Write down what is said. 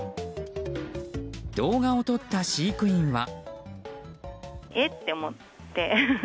動画を撮った飼育員は。